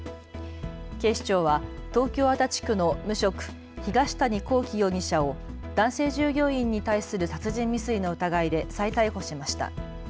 警視庁は東京足立区の無職、東谷昂紀容疑者を男性従業員に対する殺人未遂の疑いで再逮捕しました。